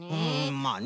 まあね。